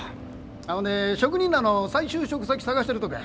あっほんで職人らの再就職先探してるとこや。